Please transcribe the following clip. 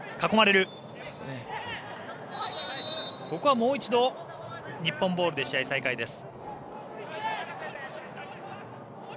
もう一度、日本ボールで試合再開です。